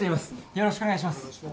よろしくお願いします。